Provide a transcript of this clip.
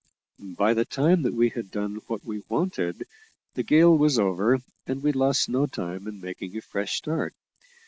By the time that we had done what we wanted, the gale was over, and we lost no time in making a fresh start.